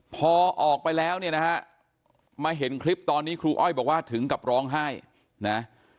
พอออกไปแล้วเนี่ยนะฮะมาเห็นคลิปตอนนี้ครูอ้อยบอกว่าถึงกับร้องไห้นะ